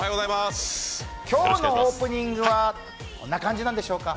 今日のオープニングは、どんな感じなんでしょうか。